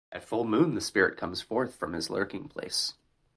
At full moon the spirit comes forth from his lurking-place.